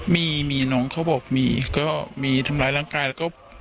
มีมีน้องเขาบอกมีก็มีทำร้ายร่างกายแล้วก็